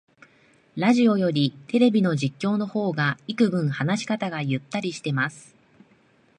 ラジオよりテレビの実況の方がいくぶん話し方がゆったりしてます